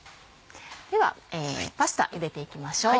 ではパスタゆでていきましょう。